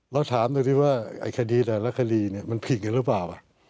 เราถามหน่อยสิว่าคดีแต่ละคดีมันผิดกันหรือเปล่า